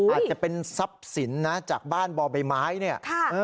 อาจจะเป็นทรัพย์สินนะจากบ้านบ่อใบไม้เนี่ย